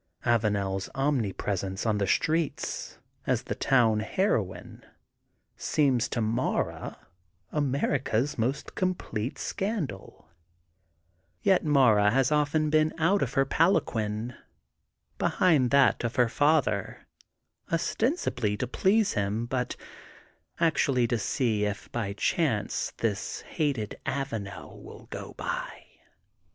AvanePs omnipresence on the streets, as the town heroine, seems to Mara America's most complete scandal. \ 8M THE GOLDEN BOOK OF SPRINGFIELD Yet Mara has often been out in her palan quin, behind that of her father, ostensibly to please him, but actually to see if by chance this hated Avanel will go by.